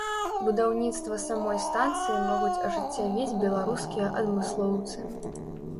Будаўніцтва самой станцыі могуць ажыццявіць беларускія адмыслоўцы.